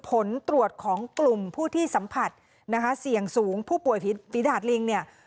ผลตรวจของกลุ่มผู้ที่สัมผัสนะคะเสี่ยงสูงผู้ป่วยฝีดาดลิงเนี่ย